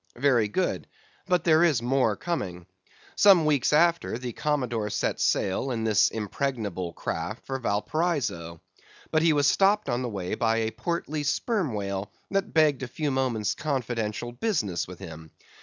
Very good; but there is more coming. Some weeks after, the Commodore set sail in this impregnable craft for Valparaiso. But he was stopped on the way by a portly sperm whale, that begged a few moments' confidential business with him.